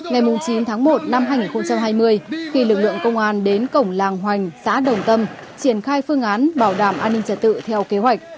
ngày chín tháng một năm hai nghìn hai mươi khi lực lượng công an đến cổng làng hoành xã đồng tâm triển khai phương án bảo đảm an ninh trật tự theo kế hoạch